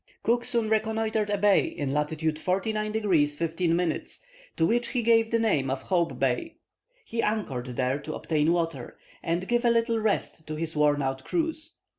Cook soon reconnoitred a bay in latitude 49 degrees 15 minutes, to which he gave the name of Hope Bay. He anchored there to obtain water, and give a little rest to his worn out crews.